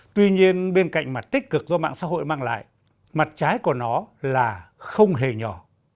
tuy nhiên bên cạnh mặt tích cực do mạng xã hội mang lại mặt trái của nó là không hề nhỏ